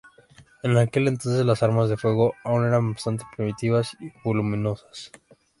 En aquel entonces, las armas de fuego aún eran bastante primitivas y voluminosas.